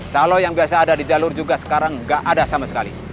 calo yang biasa ada di jalur juga sekarang nggak ada sama sekali